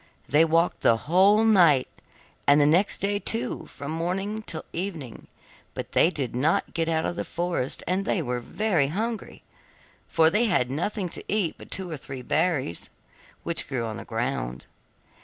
They walked the whole night and all the next day too from morning till evening, but they did not get out of the forest, and were very hungry, for they had nothing to eat but two or three berries, which grew on the ground.